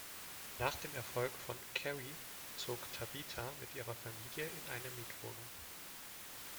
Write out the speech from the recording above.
Nach dem Erfolg von „Carrie“ zog Tabitha mit ihrer Familie in eine Mietwohnung.